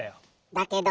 「だけど」